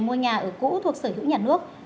mua nhà ở cũ thuộc sở hữu nhà nước